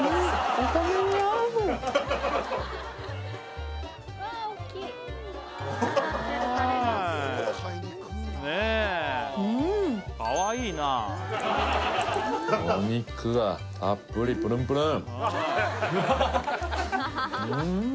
お米に合うお肉がたっぷりプルンプルン